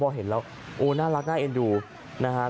พอเห็นแล้วโอ้น่ารักน่าเอ็นดูนะฮะ